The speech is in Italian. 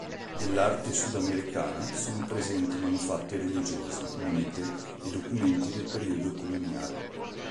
Dell'arte sudamericana sono presenti manufatti religiosi, monete e documenti del periodo coloniale.